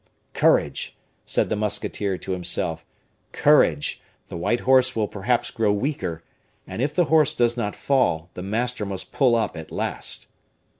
"Courage!" said the musketeer to himself, "courage! the white horse will perhaps grow weaker, and if the horse does not fall, the master must pull up at last."